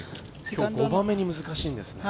５番目に難しいんですね。